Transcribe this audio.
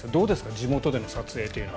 地元での撮影というのは。